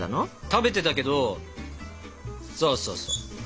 食べてたけどそうそうそう。